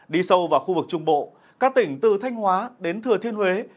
đi sâu vào khu vực trung bộ các tỉnh từ thanh hóa đến thừa thiên huế